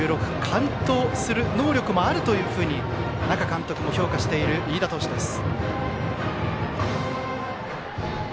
完投する能力もあるというふうに那賀監督も評価している飯田投手です。